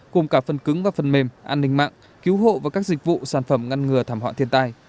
cùng cả phần cứng và phần mềm an ninh mạng cứu hộ và các dịch vụ sản phẩm ngăn ngừa thảm họa thiên tai